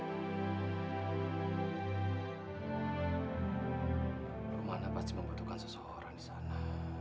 rumahnya pasti membutuhkan seseorang disana